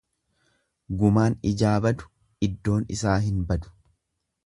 Gumaan ijaa badu iddoon isaa hin badu.